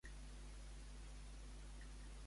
Què és l'Odèon d'Agripa?